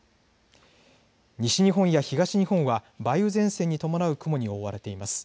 西日本や東日本は梅雨前線に伴う雲に覆われています。